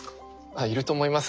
あっいると思います。